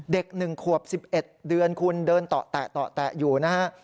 เด็กหนึ่งขวบสิบเอ็ดเดือนคุณเดินต่อแตะต่อแตะอยู่นะฮะ